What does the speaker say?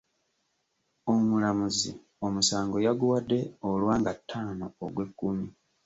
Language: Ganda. Omulamuzi omusango yaguwadde olwa nga ttaano Ogwekkumi.